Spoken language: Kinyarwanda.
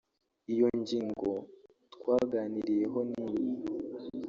Iyo ngingo twaganiriyeho ni iyi